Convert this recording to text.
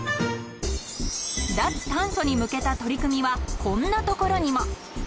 ［脱炭素に向けた取り組みはこんな所にも］